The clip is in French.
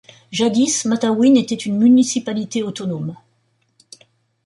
Jadis, Matawin était une municipalité autonome.